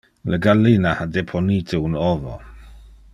Le gallina ha deponite un ovo.